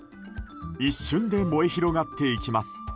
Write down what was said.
一瞬で燃え広がっていきます。